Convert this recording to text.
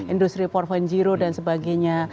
industri empat dan sebagainya